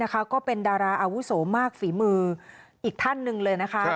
ก็เป็นดาราอาวุโสมากฝีมืออีกท่านหนึ่งเลยนะคะ